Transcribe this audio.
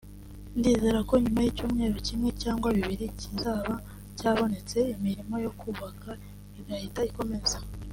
ndizera ko nyuma y’icyumweru kimwe cyangwa bibiri kizaba cyabonetse imirimo yo kubaka igahita ikomeza